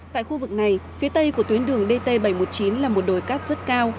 tại khu vực này phía tây của tuyến đường dt bảy trăm một mươi chín là một đồi cát rất cao